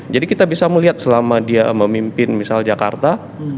jadi kita bisa melihat selama dia memimpin misal jakarta